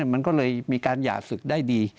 มันก็เลยมีการหย่าศึกได้ดี